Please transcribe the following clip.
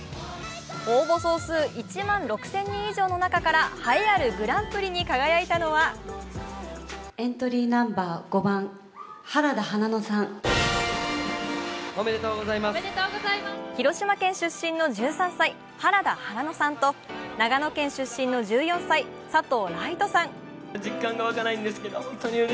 応募総数１万６０００人以上の中から栄えあるグランプリに輝いたのは広島県出身の１３歳、原田花埜さんと長野県出身の１４歳、佐藤来未登さん。